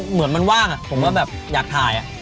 เหมือนมันว่างผมก็แบบอยากถ่าย